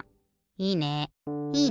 いいね。